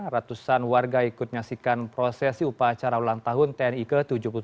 ratusan warga ikut menyaksikan prosesi upacara ulang tahun tni ke tujuh puluh tujuh